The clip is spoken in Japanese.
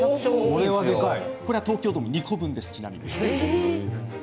東京ドーム２個分です。